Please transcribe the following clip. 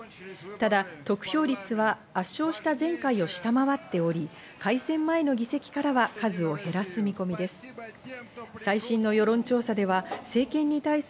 ただ得票率は圧勝した前回を下回っており、改選前の議席からは数を減らす見込みです。